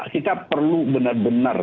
kita perlu benar benar